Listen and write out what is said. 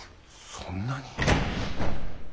そんなに？